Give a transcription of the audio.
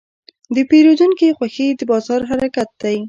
د پیرودونکي خوښي د بازار حرکت دی.